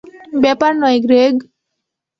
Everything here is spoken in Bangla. ব্যাপার নয়, গ্রেগ।